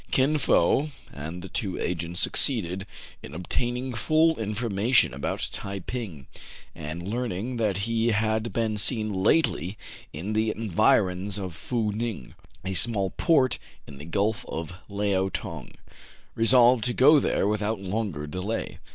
Kin Fo and the two agents succeeded in obtain ing full information about the Tai ping ; and, learn ing that he had been seen lately in the environs of Fou Ning, — a small port in the Gulf of Leao Tong, — resolved to go there without longer delay.